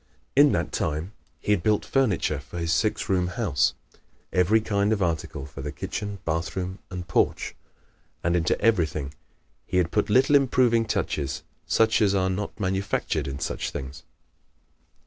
In that time he had built furniture for his six room house every kind of article for the kitchen, bathroom and porch. And into everything he had put little improving touches such as are not manufactured in such things.